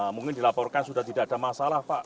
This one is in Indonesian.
mungkin dilaporkan sudah tidak ada masalah pak